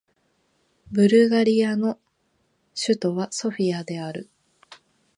ブルガリアの首都はソフィアである